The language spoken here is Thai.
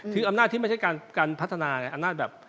คืออำนาจที่ไม่ใช่การพัฒนาในอำนาจแบบ